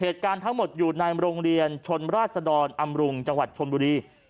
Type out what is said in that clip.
ทั้งหมดอยู่ในโรงเรียนชนราชดรอำรุงจังหวัดชมบุรี